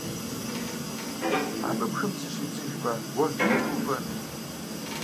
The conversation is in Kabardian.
Абы бгым зыщидзыжмэ, уэ вийкӀэ увэну?